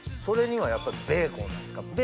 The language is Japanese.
それにはやっぱベーコンなんすか？